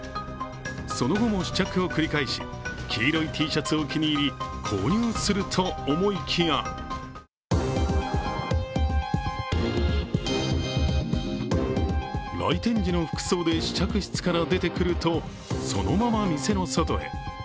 その後も試着を繰り返し、黄色いＴシャツを気に入り購入すると思いきや来店時の服装で試着室から出てくると、そのまま店の外へ。